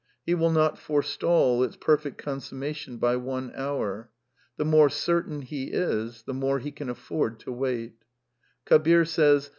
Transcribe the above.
He will not forestall its perfect consumma tion by one hour. The more certain he is, the more he can afford to wait. XI "Kabir says